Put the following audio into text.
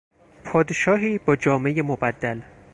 پادشاهی با جامهی مبدل